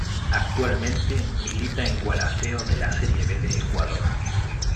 Actualmente milita en Gualaceo de la Serie B de Ecuador.